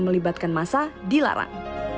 melibatkan masa dilarang